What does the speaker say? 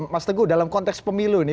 mas teguh dalam konteks pemilu nih